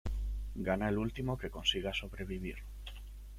Gana el último que consiga sobrevivir.